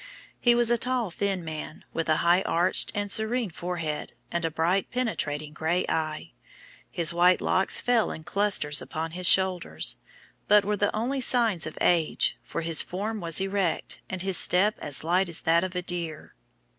He was a tall thin man, with a high arched and serene forehead, and a bright penetrating grey eye; his white locks fell in clusters upon his shoulders, but were the only signs of age, for his form was erect, and his step as light as that of a deer.